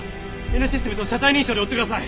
Ｎシステムと車体認証で追ってください！